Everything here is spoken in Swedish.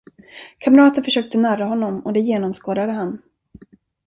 Kamrater försökte narra honom, och det genomskådade han.